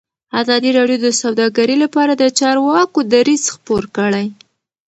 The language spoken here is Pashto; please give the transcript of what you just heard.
ازادي راډیو د سوداګري لپاره د چارواکو دریځ خپور کړی.